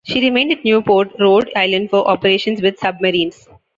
She remained at Newport, Rhode Island, for operations with submarines.